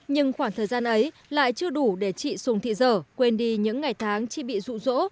nhưng khoảng thời gian ấy lại chưa đủ để chị sùng thị dở quên đi những ngày tháng chị bị rụ rỗ